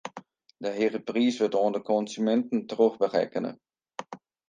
Dy hege priis wurdt oan de konsuminten trochberekkene.